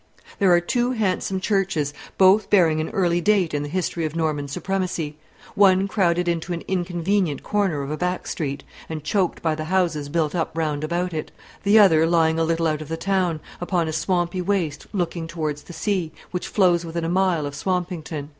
There are two handsome churches, both bearing an early date in the history of Norman supremacy: one crowded into an inconvenient corner of a back street, and choked by the houses built up round about it; the other lying a little out of the town, upon a swampy waste looking towards the sea, which flows within a mile of Swampington.